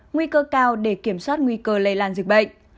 nguy cơ cao để kiểm soát nguy cơ lây lan dịch bệnh